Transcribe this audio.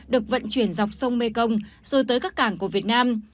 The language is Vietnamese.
được vận chuyển dọc sông mekong rồi tới các cảng của việt nam